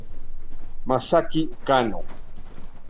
Masaaki Kanno